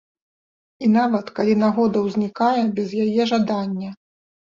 І нават калі нагода ўзнікае без яе жадання.